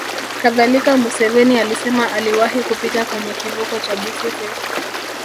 Kadhalika Museveni alisema aliwahi kupita kwenye kivuko cha Busisi